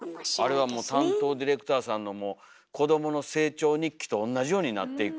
あれはもう担当ディレクターさんの子どもの成長日記と同じようになっていく。